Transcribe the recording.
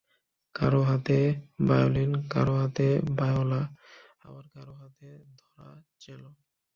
কারও হাতে ভায়োলিন, কারও হাতে ভায়োলা আবার কারও হাতে ধরা চেলো।